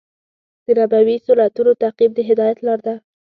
د نبوي سنتونو تعقیب د هدایت لار دی.